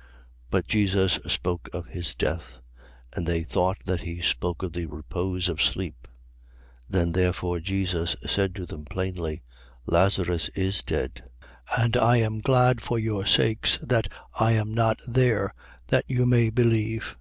11:13. But Jesus spoke of his death: and they thought that he spoke of the repose of sleep. 11:14. Then therefore Jesus said to them plainly: Lazarus is dead. 11:15. And I am glad, for your sakes; that I was not there, that you may believe.